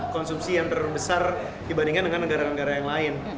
konsumsi yang terbesar dibandingkan dengan negara negara yang lain